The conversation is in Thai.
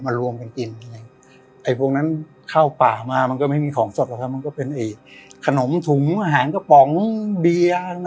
กันกินไฟพวกนั้นข้าวป่ามามันไม่มีของสัตว์แล้วมันก็เป็นไอ้ขนมถุงอาหารกระป๋องเบียนเลย